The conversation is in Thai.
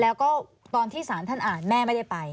แล้วก็ตอนที่ศาลท่านอ่านแม่ไม่ได้ไป